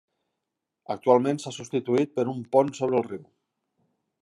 Actualment s'ha substituït per un pont sobre el riu.